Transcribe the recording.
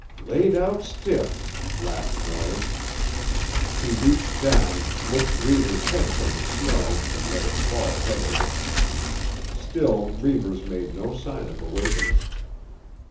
"Laid out stiff!" laughed Moir. He reached down, lifted Reivers' head from the snow and let it fall heavily. Still Reivers made no sign of awakening.